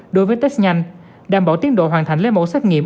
đối với test nhanh đảm bảo tiến độ hoàn thành lấy mẫu xét nghiệm